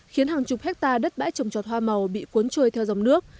khiến hàng chục hectare đất bãi trồng trọt hoa màu bị cuốn trôi theo dòng nước